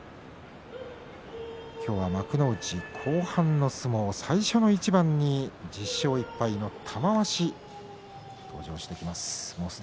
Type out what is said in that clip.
今日は幕内、後半の相撲最初の一番に１０勝１敗の玉鷲が登場します。